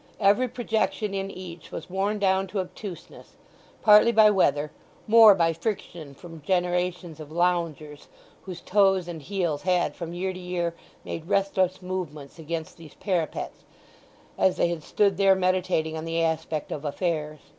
Every projection in each was worn down to obtuseness, partly by weather, more by friction from generations of loungers, whose toes and heels had from year to year made restless movements against these parapets, as they had stood there meditating on the aspect of affairs.